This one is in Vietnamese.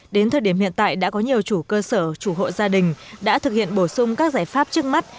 đến thời điểm hiện tại đã có nhiều chủ cơ sở chủ hộ gia đình đã thực hiện bổ sung các giải pháp trước mắt